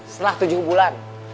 setelah tujuh bulan